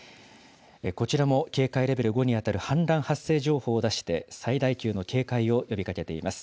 こちらも警戒レベル５に当たる氾濫発生情報を出して最大級の警戒を呼びかけています。